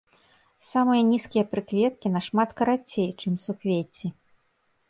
Самыя нізкія прыкветкі нашмат карацей, чым суквецці.